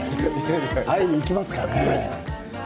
会いに行きますかね。